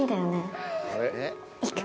行く？